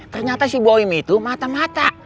ternyata si boim itu mata mata